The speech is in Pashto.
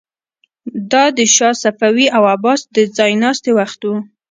دا د شاه صفوي او عباس د ځای ناستي وخت و.